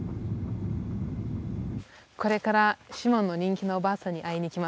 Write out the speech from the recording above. これから島の人気のおばあさんに会いに行きます。